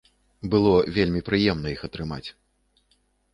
Было вельмі прыемна іх атрымаць.